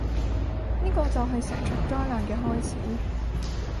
呢個就係成場災難嘅開始